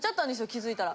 気づいたら。